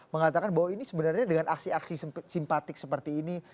mengatakan bahwa ini sebenarnya dengan aksi aksi simpatik seperti ini